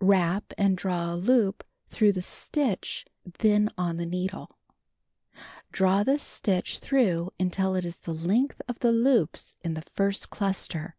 Wrap and draw a loop through the stitch then on the needle. Draw this stitch through mitil it is the length of the loops in the first cluster.